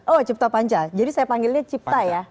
oh cipta panca jadi saya panggilnya cipta ya